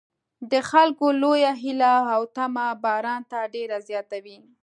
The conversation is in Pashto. د خلکو لویه هیله او تمه باران ته ډېره زیاته وه.